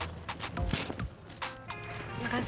terima kasih mas